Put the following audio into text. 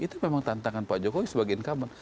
itu memang tantangan pak jokowi sebagai incumbent